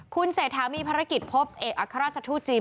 คุณเศรษฐามีภารกิจพบเอกอัครราชทูตจีน